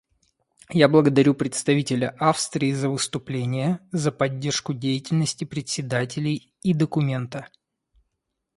Я благодарю представителя Австрии за выступление, за поддержку деятельности председателей и документа.